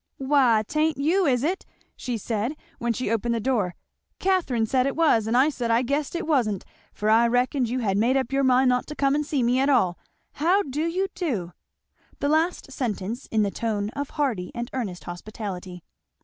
"Why 'tain't you, is it?" she said when she opened the door, "Catharine said it was, and I said I guessed it wa'n't, for I reckoned you had made up your mind not to come and see me at all. How do you do?" The last sentence in the tone of hearty and earnest hospitality.